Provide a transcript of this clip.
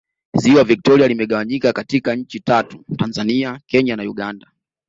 ziwa victoria limegawanyika katika nchi tatu tanzania kenya na uganda